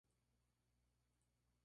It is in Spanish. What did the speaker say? La cúpula ofrece de espacio interior.